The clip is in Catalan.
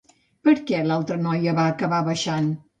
Per què l'altra noia va acabar baixant?